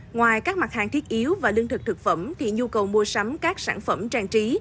ngoài các mặt hàng thiết yếu và lương thực thực phẩm thì nhu cầu mua sắm các sản phẩm trang trí